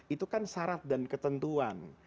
itu kan syarat dan ketentuan